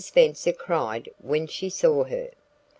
Spenser cried when she saw her.